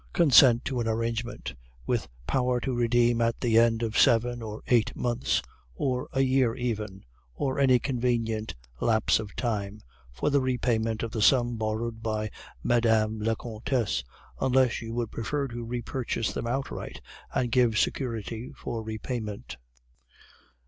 Consent to an arrangement, with power to redeem at the end of seven or eight months, or a year even, or any convenient lapse of time, for the repayment of the sum borrowed by Mme. la Comtesse, unless you would prefer to repurchase them outright and give security for repayment.